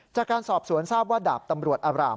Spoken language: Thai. จากการสอบสวนทราบว่าดาบตำรวจอาราม